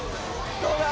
どうだ？